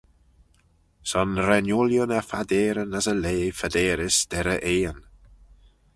Son ren ooilley ny phadeyryn as y leigh phadeyrys derrey Ean.